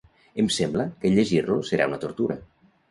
Em sembla que llegir-lo serà una tortura!